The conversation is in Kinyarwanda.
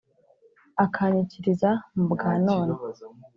Akanyikiriza mu bwa none